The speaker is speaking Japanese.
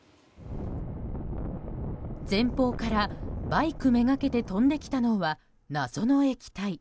前方からバイク目掛けて飛んできたのは謎の液体。